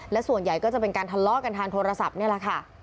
และส่วนใหญ่ก็จะเป็นการทะเลาะกันทางโทรศัพท์นี่แหละค่ะ